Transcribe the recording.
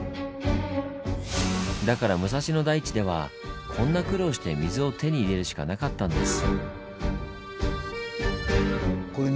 だから武蔵野台地ではこんな苦労して水を手に入れるしかなかったんです。